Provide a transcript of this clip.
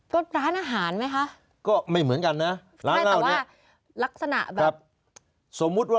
ก็ร้านอาหารไหมคะก็ไม่เหมือนกันนะร้านไม่แต่ว่าลักษณะแบบสมมุติว่า